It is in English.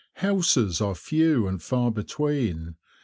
Houses are few and far between.